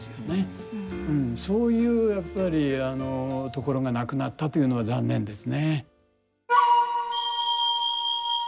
そういうやっぱりところがなくなったというのは残念ですね。